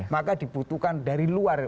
maka dibutuhkan dari luar